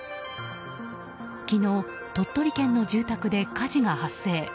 昨日、鳥取県の住宅で火事が発生。